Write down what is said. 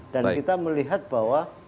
dan kita melihat bahwa